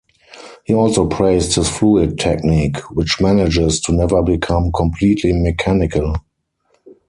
He also praised his fluid technique, which manages to never become completely mechanical.